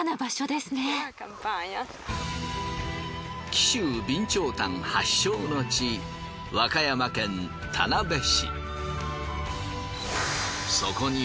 紀州備長炭発祥の地和歌山県田辺市。